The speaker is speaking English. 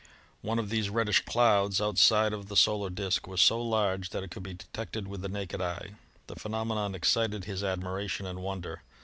One of these reddish clouds outside of the solar disk was so large that it could be detected with the naked eye. The phenomenon excited his admiration and wonder.